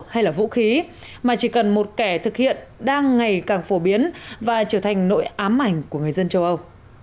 hay là vũ khí mà chỉ cần một kẻ thực hiện đang ngày càng phổ biến và trở thành nội ám ảnh của người dân châu âu